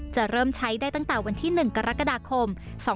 จะเริ่มใช้ได้ตั้งแต่วันที่๑กรกฎาคม๒๕๖๒